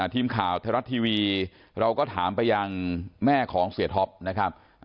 ทีมข่าวไทยรัฐทีวีเราก็ถามไปยังแม่ของเสียท็อปนะครับ